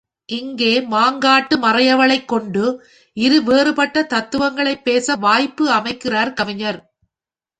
இங்கே மாங்காட்டு மறையவளைக் கொண்டு இரு வேறுபட்ட தத்துவங்களைப் பேச வாய்ப்பு அமைக்கிறார் கவிஞர்.